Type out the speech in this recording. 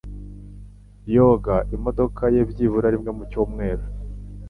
Yoga imodoka ye byibura rimwe mu cyumweru.